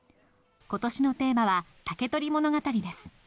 ことしのテーマは竹取物語です。